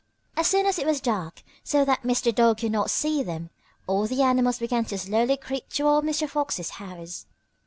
As soon as it was dark, so that Mr. Dog could not see them, all the animals began to slowly creep toward Mr. Fox's home.